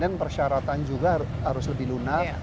dan persyaratan juga harus lebih lunak